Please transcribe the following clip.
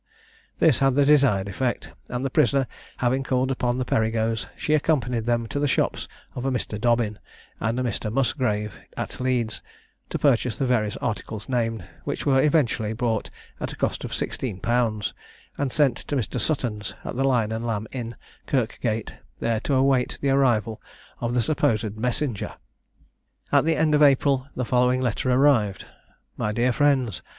This had the desired effect; and the prisoner having called upon the Perigos, she accompanied them to the shops of a Mr. Dobbin, and a Mr. Musgrave, at Leeds, to purchase the various articles named, which were eventually bought at a cost of sixteen pounds, and sent to Mr. Sutton's, at the Lion and Lamb Inn, Kirkgate, there to await the arrival of the supposed messenger. At the end of April, the following letter arrived: "My dear Friends.